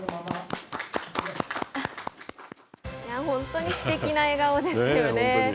本当にすてきな笑顔ですよね。